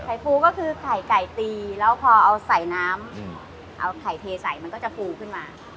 ฟูก็คือไข่ไก่ตีแล้วพอเอาใส่น้ำเอาไข่เทใส่มันก็จะฟูขึ้นมา